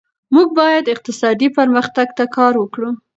موږ باید اقتصادي پرمختګ ته کار وکړو.